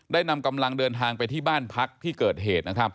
ได้นำกำลังเดินทางไปที่บ้านพักที่เกิดเหตุ